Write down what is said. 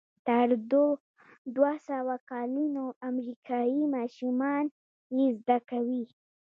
تر دوهسوه کلونو امریکایي ماشومان یې زده کوي.